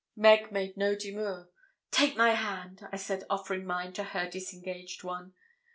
Meg made no demur. 'Take my hand,' I said offering mine to her disengaged one.